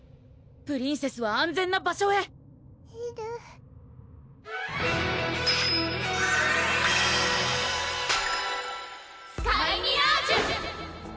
プリンセスは安全は場所へえるスカイミラージュ！